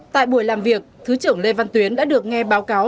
tại buổi làm việc thứ trưởng lê văn tuyến đã được nghe báo cáo